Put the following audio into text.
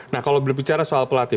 nah kalau berbicara soal pelatih